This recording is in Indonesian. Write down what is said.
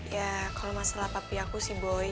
ya kalau masalah papi aku sih boy